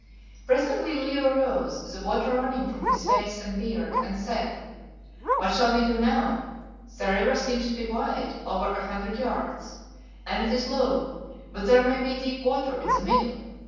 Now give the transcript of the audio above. Presently Leo rose, the water running from his face and beard, and said "What shall we do now? The river seems to be wide, over a hundred yards, and it is low, but there may be deep water in the middle.